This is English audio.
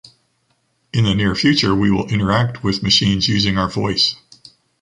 In the near future we will interact with machines using our voice.